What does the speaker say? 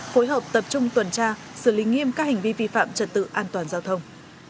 phối hợp tập trung tuần tra xử lý nghiêm các hành vi vi phạm trật tự an toàn giao thông